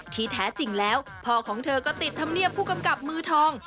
ที่แท้จริงแล้วพ่อของเธอก็ติดธรรมเนียบผู้กำกับมือทอง